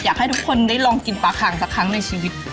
อยากให้ทุกคนได้ลองกินปลาคางสักครั้งในชีวิต